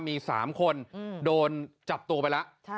มี๓คนโดนจับตัวไปแล้ว